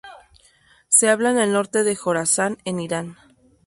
Se habla en el norte de Jorasán en Irán.